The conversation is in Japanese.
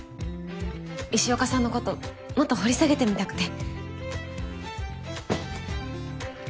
石岡さんのこともっと掘り下げてみたくて。